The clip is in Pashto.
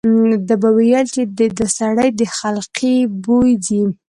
ده به ویل چې د دې سړي د خلقي بوی ځي.